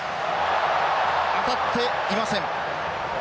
当たっていません。